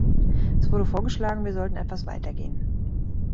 Es wurde vorgeschlagen, wir sollten etwas weitergehen.